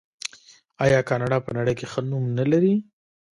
آیا کاناډا په نړۍ کې ښه نوم نلري؟